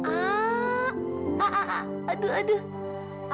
a a a aduh aduh